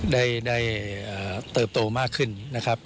ได้เติบโตมากขึ้นนะครับ